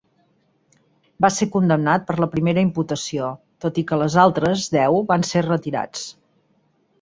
Va ser condemnat per la primera imputació, tot i que les altres deu van ser retirats.